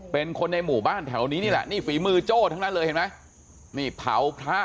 เป็นคนในหมู่บ้านแถวนี้นี่แหละนี่ฝีมือโจ้ทั้งนั้นเลยเห็นไหมนี่เผาพระ